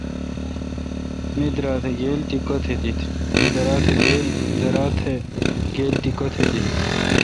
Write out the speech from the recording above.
می درا تھ گیل تی کوتھ دیت۔